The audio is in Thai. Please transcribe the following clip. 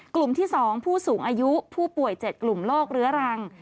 กลุ่มที่๒ผู้สูงอายุผู้ป่วย๗กลุ่มโรคเรื้อรัง